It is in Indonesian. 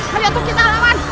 hanya untuk kita aman